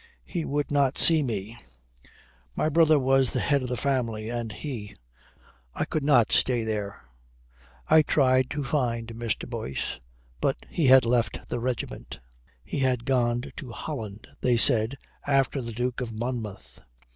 He would not see me. My brother was the head of the family, and he I could not stay there. I tried to find Mr. Boyce, but he had left the regiment. He had gone to Holland, they said, after the Duke of Monmouth.